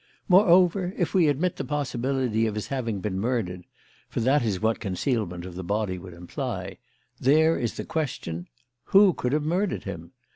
Moreover, if we admit the possibility of his having been murdered for that is what concealment of the body would imply there is the question: Who could have murdered him?